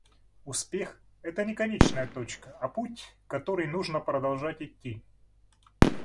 Успех - это не конечная точка, а путь, который нужно продолжать идти